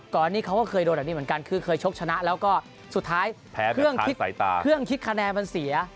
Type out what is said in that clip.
ก่อนนี้เขาก็เคยโดนแบบนี้เหมือนกันคือเคยชกชนะแล้วก็สุดท้ายเครื่องคิดเครื่องคิดคะแนนมันเสีย